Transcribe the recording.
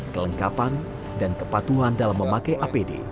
kelengkapan dan kepatuhan dalam memakai apd